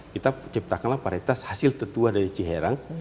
kita ciptakanlah paritas hasil tertua dari ciherang